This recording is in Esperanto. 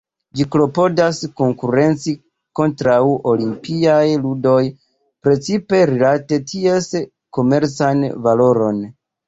Ĝi klopodas konkurenci kontraŭ Olimpiaj Ludoj, precipe rilate ties komercan valoron.